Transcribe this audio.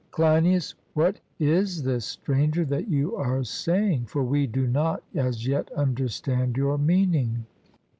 CLEINIAS: What is this, Stranger, that you are saying? For we do not as yet understand your meaning.